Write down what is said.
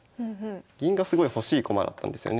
銀がすごい欲しい駒だったんですよね。